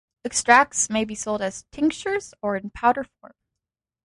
Extracts may be sold as tinctures or in powder form.